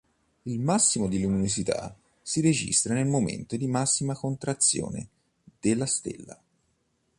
Il massimo di luminosità si registra nel momento di massima contrazione della stella.